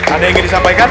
ada yang ingin disampaikan